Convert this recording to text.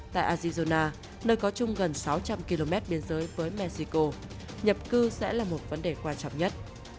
tại azizona nơi có chung gần sáu trăm linh km biên giới với mexico nhập cư sẽ là một vấn đề quan trọng nhất